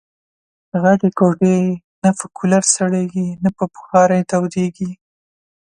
غټي کوټې نه په کولرسړېږي ، نه په بخارۍ تودېږي